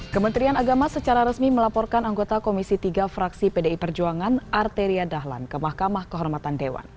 kementerian agama secara resmi melaporkan anggota komisi tiga fraksi pdi perjuangan arteria dahlan ke mahkamah kehormatan dewan